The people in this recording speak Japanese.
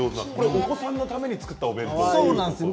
お子さんのために作ったお弁当ですね。